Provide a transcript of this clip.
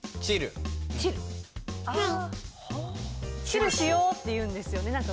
「チルしよう」って言うんですよね。